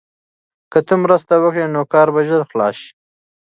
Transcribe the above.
که ته مرسته وکړې نو کار به ژر خلاص شي.